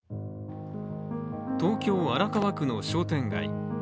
東京・荒川区の商店街。